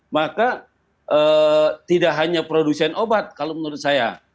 maka tidak hanya produsen obat kalau menurut saya